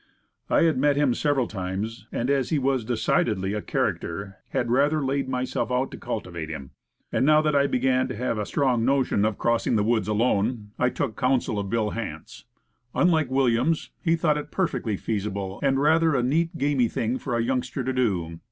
I had met him several times, and as he was decidedly a character, had rather laid myself out to cultivate him. And now that I began to have a strong notion of crossing the woods alone, I took counsel of Bill Hance. Un The Start. 1 1 7 like Williams, he thought it perfectly feasible, and rather a neat, gamy thing for a youngster to do.